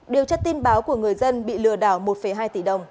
điều tra tin báo của người dân bị lừa đảo một hai tỷ đồng